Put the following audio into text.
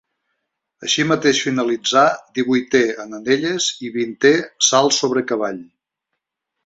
Així mateix finalitzà divuitè en anelles i vintè salt sobre cavall.